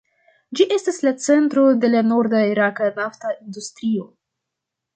Ĝi estas la centro de la norda iraka nafta industrio.